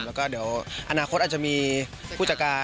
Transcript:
แล้วก็เดี๋ยวอนาคตอาจจะมีผู้จัดการ